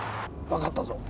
わかったぞ。